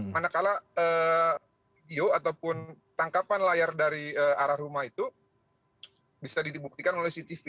manakala video ataupun tangkapan layar dari arah rumah itu bisa dibuktikan oleh cctv